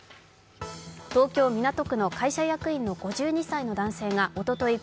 東京・港区の会社役員の５２歳の男性がおととい